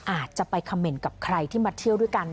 อาจจะไปคำเมนต์กับใครที่มาเที่ยวด้วยกัน